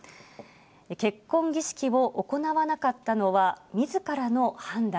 結婚儀式を行わなかったのは、みずからの判断。